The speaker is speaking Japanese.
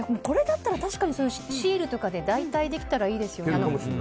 これだったらシールとかで代替できたらいいですよね。